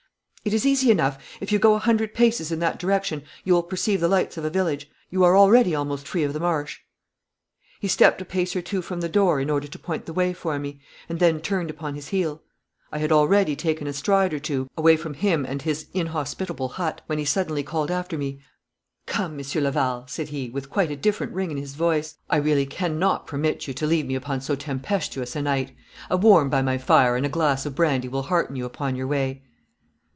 'It is easy enough. If you go a few hundred paces in that direction you will perceive the lights of a village. You are already almost free of the marsh.' He stepped a pace or two from the door in order to point the way for me, and then turned upon his heel. I had already taken a stride or two away from him and his inhospitable hut, when he suddenly called after me. 'Come, Monsieur Laval,' said he, with quite a different ring in his voice; 'I really cannot permit you to leave me upon so tempestuous a night. A warm by my fire and a glass of brandy will hearten you upon your way.'